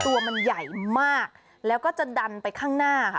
ตัวมันใหญ่มากแล้วก็จะดันไปข้างหน้าค่ะ